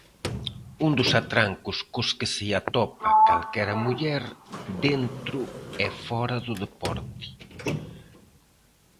Un dos "atrancos" cos que se atopa calquera muller, dentro e fóra do deporte.